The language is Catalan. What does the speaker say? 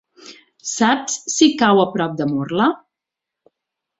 Saps si cau a prop de Murla?